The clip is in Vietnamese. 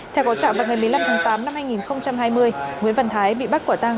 theo có trạm vào ngày một mươi năm tháng tám năm hai nghìn hai mươi nguyễn văn thái bị bắt quả tăng